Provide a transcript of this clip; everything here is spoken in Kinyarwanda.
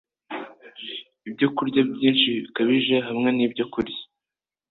Ibyokurya byinshi bikabije, hamwe n’ibyokurya